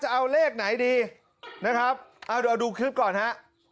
จะเอาเรกไหนดีนะครับดูคลิปก่อนค่ะ